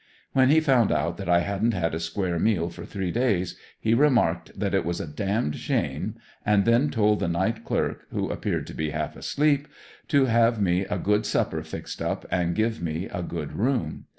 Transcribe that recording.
When he found out that I hadn't had a square meal for three days he remarked that it was a d d shame and then told the night clerk, who appeared to be half asleep, to have me a good supper fixed up and to give me a good room.